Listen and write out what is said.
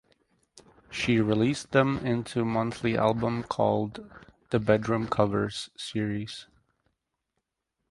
She released them into monthly albums called the ""Bedroom Covers"" series.